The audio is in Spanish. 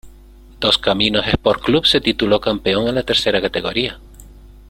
Dos Caminos Sport Club se tituló campeón en la tercera categoría.